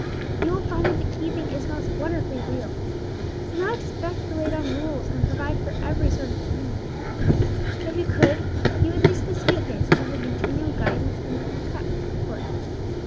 You will find that the keeping is most wonderfully real. Do not expect to lay down rules and provide for every sort of contingency. If you could, you would miss the sweetness of the continual guidance in the 'kept' course.